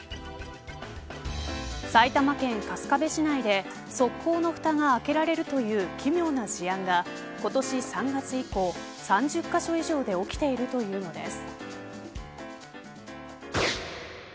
埼玉県春日部市内で側溝のふたが開けられるという奇妙な事案が今年３月以降３０カ所以上で起きているというのです。